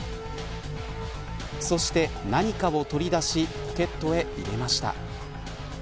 そして何かを取り出しポケットへ入りました。